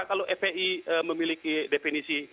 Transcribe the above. kalau fpi memiliki definisi